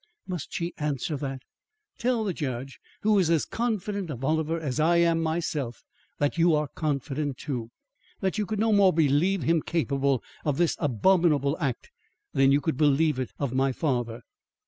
must she answer that? "Tell the judge who is as confident of Oliver as I am myself that you are confident, too. That you could no more believe him capable of this abominable act than you could believe it of my father."